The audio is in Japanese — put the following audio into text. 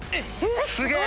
すげえ。